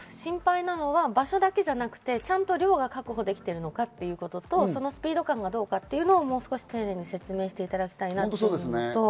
ワクチンについては心配なのは場所だけじゃなくて、ちゃんと量が確保できてるのかということと、スピード感がどうかというのをもう少し丁寧に説明していただきたいと思います。